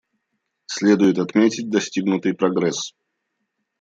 Следует отметить достигнутый прогресс.